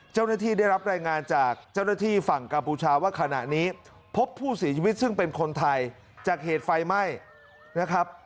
ได้รับรายงานจากเจ้าหน้าที่ฝั่งกัมพูชาว่าขณะนี้พบผู้เสียชีวิตซึ่งเป็นคนไทยจากเหตุไฟไหม้นะครับ